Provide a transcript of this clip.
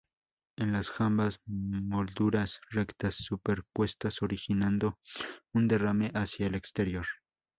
En las jambas molduras rectas superpuestas originando un derrame hacia el exterior.